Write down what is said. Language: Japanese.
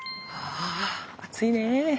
あ暑いね。